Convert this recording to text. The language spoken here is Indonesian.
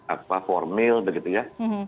akhbar formil begitu ya